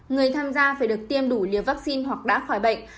người tham gia phải được tiêm đủ liều vaccine hoặc đã khỏi bệnh